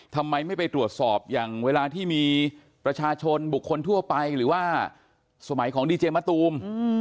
ทำไมไม่ไปตรวจสอบอย่างเวลาที่มีประชาชนบุคคลทั่วไปหรือว่าสมัยของดีเจมะตูม